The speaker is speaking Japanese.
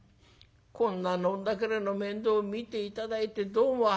こんな飲んだくれの面倒見て頂いてどうもありがとうございます。